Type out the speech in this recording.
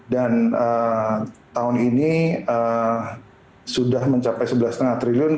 dan tahun ini sudah mencapai sebelas lima triliun